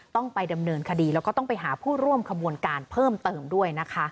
ต้องไปดำเนินคดีแล้วก็ต้องไปหาผู้ร่วมขบวนการเพิ่มเติมด้วยนะคะ